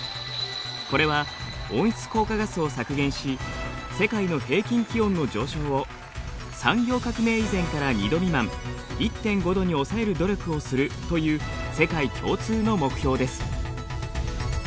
これは温室効果ガスを削減し世界の平均気温の上昇を産業革命以前から２度未満１．５度に抑える努力をするという世界共通の目標です。